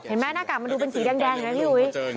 เห็นไหมหน้ากากมันดูเป็นสีแดงนะพี่หุ้ย